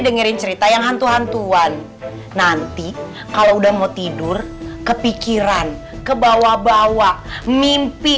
dengerin cerita yang hantu hantuan nanti kalau udah mau tidur kepikiran kebawa bawa mimpi